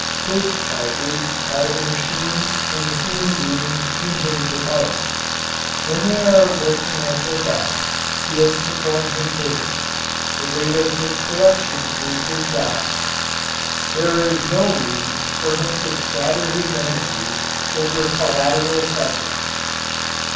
His charges are the machines and the human beings in his department. When they are working at their best he has performed his service. The rate of his production is his guide. There is no reason for him to scatter his energies over collateral subjects.